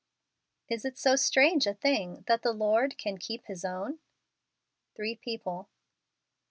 Is it so strange a thing that the Lord can keep his own f Three People.